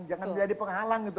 jangan menjadi penghalang gitu